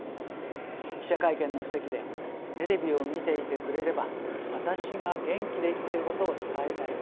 記者会見の席でテレビを見ていてくれれば私が元気で生きていることを伝えたい。